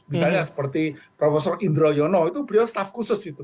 misalnya seperti prof indro yono itu beliau staff khusus gitu